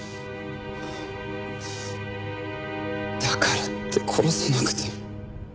だからって殺さなくても。